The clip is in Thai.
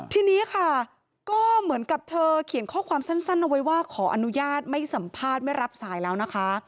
ทีนี้ค่ะก็เหมือนกับเธอเขียนข้อความสั้นเอาไว้ว่าขออนุญาตไม่สัมภาษณ์ไม่รับสายแล้วนะคะ